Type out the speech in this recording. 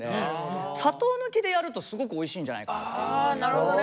砂糖抜きでやるとすごくおいしいんじゃないかな。